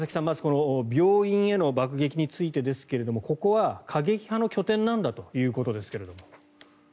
まず病院への爆撃についてですがここは過激派の拠点なんだということですが。